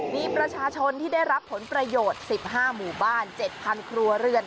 มีประชาชนที่ได้รับผลประโยชน์๑๕หมู่บ้าน๗๐๐ครัวเรือน